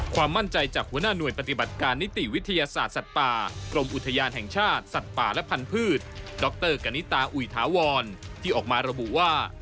ความมั่นใจจากหัวหน้าหน่วยปฏิบัติการนิติวิทยาศาสตร์สัตว์ป่ากรมอุทยานแห่งชาติสัตว์ป่าและพันธุ์ดรกณิตาอุยถาวรที่ออกมาระบุว่า